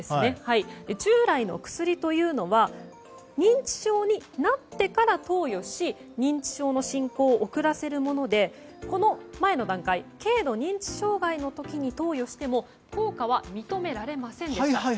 従来の薬というのは認知症になってから投与し、認知症の進行を遅らせるものでこの前の段階軽度認知障害の時に投与しても効果は認められませんでした。